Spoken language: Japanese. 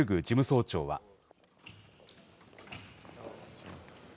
事務総長は。